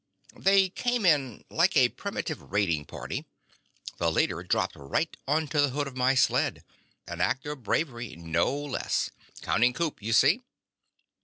"They came in like a primitive raiding party. The leader dropped right onto the hood of my sled. An act of bravery, no less. Counting coup, you see?"